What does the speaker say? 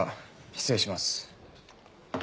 失礼します。